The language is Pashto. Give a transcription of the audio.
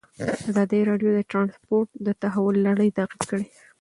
ازادي راډیو د ترانسپورټ د تحول لړۍ تعقیب کړې.